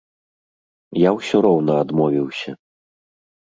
Я ўсё роўна адмовіўся.